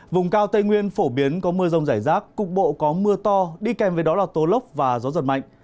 vùng cao tây nguyên phổ biến có mưa rông rải rác cục bộ có mưa to đi kèm với đó là tố lốc và gió giật mạnh